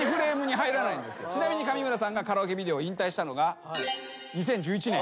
ちなみに上村さんがカラオケビデオ引退したのが２０１１年。